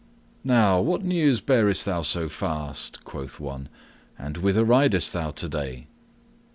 "Now what news bearest thou so fast?" quoth one, "and whither ridest thou today?"